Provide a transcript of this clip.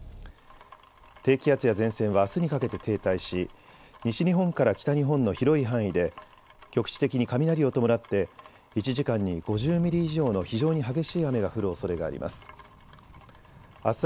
低気圧や前線はあすにかけて停滞し、西日本から北日本の広い範囲で局地的に雷を伴って１時間に５０ミリ以上の非常に激しい雨が降るおそれがあります。